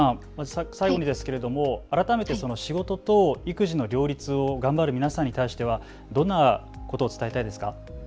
最後に改めて仕事と育児の両立を頑張る皆さんに対してはどんなことを伝えたいですか。